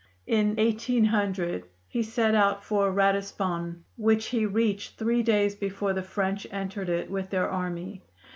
In 1800 he set out for Ratisbon, which he reached three days before the French entered it with their army.